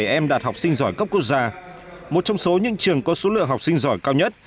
bốn trăm năm mươi bảy em đạt học sinh giỏi cấp quốc gia một trong số những trường có số lượng học sinh giỏi cao nhất